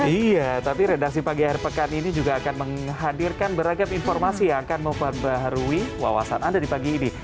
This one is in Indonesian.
iya tapi redaksi pagi akhir pekan ini juga akan menghadirkan beragam informasi yang akan memperbaharui wawasan anda di pagi ini